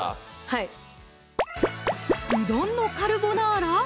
はいうどんのカルボナーラ？